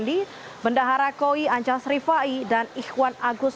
ndi bendahara koi ancah srivae dan ikhwan agus